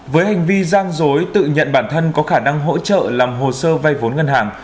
với hành vi giang dối tự nhận bản thân có khả năng hỗ trợ làm hồ sơ vay vốn ngân hàng